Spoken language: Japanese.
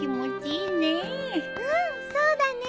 うんそうだね。